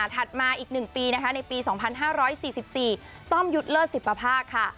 ถัดมาอีก๑ปีนะคะในปี๒๕๔๔ต้อมยุทธ์เลิศสิบภาพค่ะ